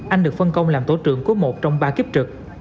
anh được phân công làm tổ trưởng của một trong ba kiếp trực